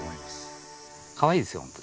かわいいですよホント。